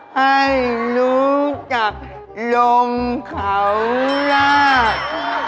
ให้รู้จักลงเขาราบ